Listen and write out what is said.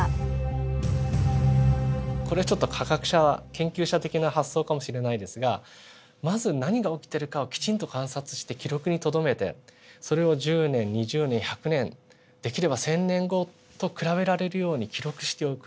これはちょっと科学者研究者的な発想かもしれないですがまず何が起きているかをきちんと観察して記録にとどめてそれを１０年２０年１００年できれば１，０００年後と比べられるように記録しておく。